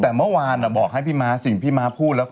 แต่เมื่อวานบอกให้พี่ม้าสิ่งที่ม้าพูดแล้ว